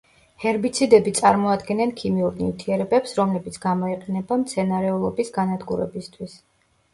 ჰერბიციდები წარმოადგენენ ქიმიურ ნივთიერებებს, რომლებიც გამოიყენება მცენარეულობის განადგურებისთვის.